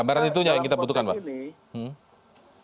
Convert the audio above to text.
gambaran itu yang kita butuhkan mas